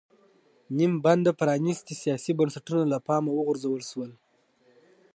نیم بنده پرانېستي سیاسي بنسټونه له پامه وغورځول شول.